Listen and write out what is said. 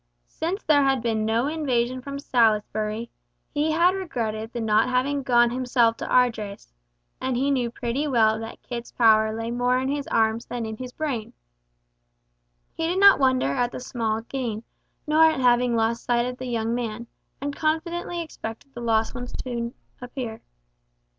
Since there had been no invasion from Salisbury, he had regretted the not having gone himself to Ardres, and he knew pretty well that Kit's power lay more in his arms than in his brain. He did not wonder at the small gain, nor at the having lost sight of the young man, and confidently expected the lost ones soon to appear.